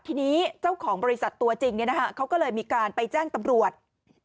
ทีนี้เจ้าของบริษัทตัวจริงเขาก็เลยมีการไปแจ้งตำรวจ